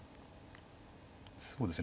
そうですね